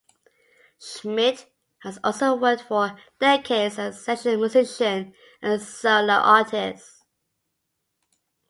Schmit has also worked for decades as a session musician and solo artist.